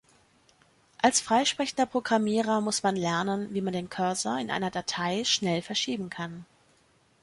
Als freisprechender Programmierer muss man lernen, wie man den Cursor in einer Datei schnell verschieben kann.